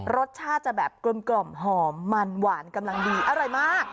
รสชาติจะแบบกลมหอมมันหวานกำลังดีอร่อยมาก